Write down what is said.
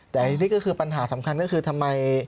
แต่อันนี้ก็คือปัญหาสำคัญก็คือทำไม